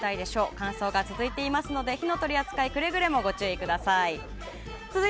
乾燥が続いていますので火の取り扱いくれぐれもご注意ください。